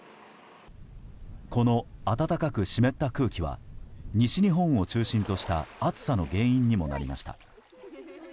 この暖かく湿った空気は西日本を中心とした暑さの原因にもなりました。